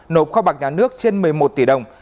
nộp kho bạc nhà nước trên một mươi một tỷ đồng